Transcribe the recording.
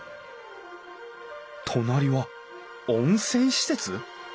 隣は温泉施設？